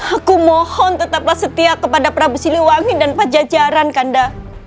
aku mohon tetaplah setia kepada prabu siliwangi dan pajajaran kanda